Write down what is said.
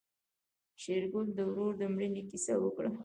شېرګل د ورور د مړينې کيسه وکړه.